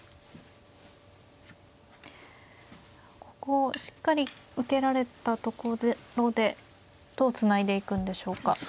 ここをしっかり受けられたところでどうつないでいくんでしょうか。